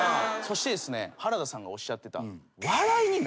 そしてですね原田さんがおっしゃってた。